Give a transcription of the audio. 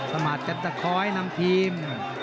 สมาธิจัตรคอยนำทีม